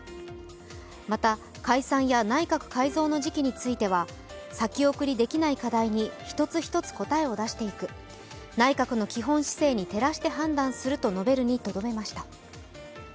また、解散や内閣改造の時期については先送りできない課題に一つ一つ答えを出していく、内閣の基本姿勢に照らして判断すると述べるにとどめました。